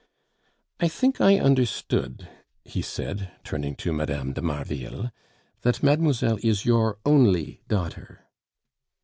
"I think I understood," he said, turning to Mme. de Marville, "that mademoiselle is your only daughter."